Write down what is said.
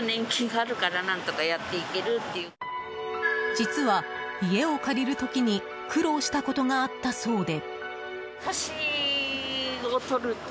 実は、家を借りる時に苦労したことがあったそうで。